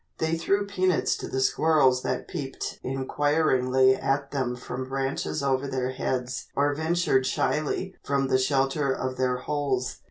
They threw peanuts to the squirrels that peeped inquiringly at them from branches over their heads or ventured shyly from the shelter of their holes.